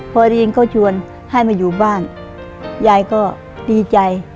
พอดีจึงเขาชวนให้มาอยู่บ้านยายก็ดีใจ